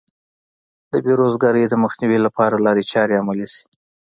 د بې روزګارۍ د مخنیوي لپاره لارې چارې عملي شي.